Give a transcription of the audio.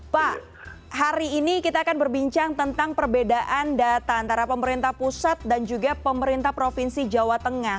pak hari ini kita akan berbincang tentang perbedaan data antara pemerintah pusat dan juga pemerintah provinsi jawa tengah